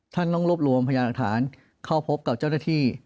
ต้องรวบรวมพยานหลักฐานเข้าพบกับเจ้าหน้าที่